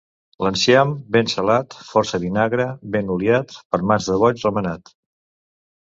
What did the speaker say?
L'enciam, ben salat, força vinagre, ben oliat, per mans de boigs remenat.